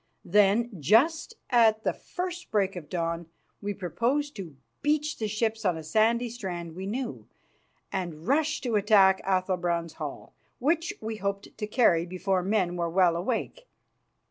Then, just at the first break of dawn, we proposed to beach the ships on a sandy strand we knew, and rush to attack Athalbrand's hall, which we hoped to carry before men were well awake.